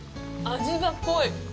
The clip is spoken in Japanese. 味が濃い！